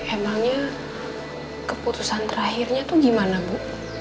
emangnya keputusan terakhirnya tuh gimana bu